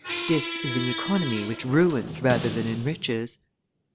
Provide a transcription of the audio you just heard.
This is an economy which ruins rather than enriches."